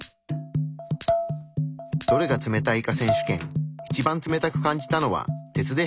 「どれが冷たいか選手権」一番冷たく感じたのは鉄でした。